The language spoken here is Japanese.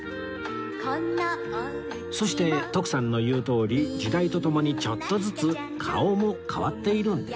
そして徳さんの言うとおり時代とともにちょっとずつ顔も変わっているんです